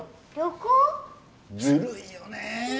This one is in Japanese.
ずるいよね。